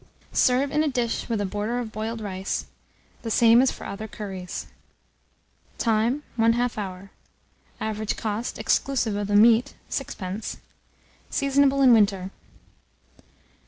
Serve in a dish with a border of boiled rice, the same as for other curries. Time. 1/2 hour. Average cost, exclusive of the meat, 6d. Seasonable in winter.